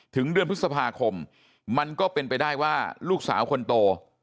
เดือนพฤษภาคมมันก็เป็นไปได้ว่าลูกสาวคนโต